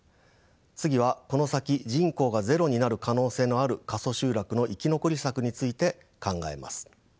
次はこの先人口がゼロになる可能性のある過疎集落の生き残り策について考えます。